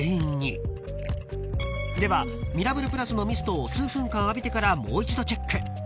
［ではミラブルプラスのミストを数分間浴びてからもう一度チェック。